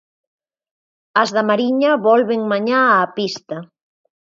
As da Mariña volven mañá á pista.